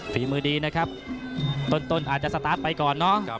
ฝีมือดีนะครับต้นอาจจะสตาร์ทไปก่อนเนาะ